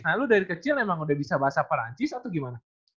nah lu dari kecil emang udah bisa bahasa perancis atau gimana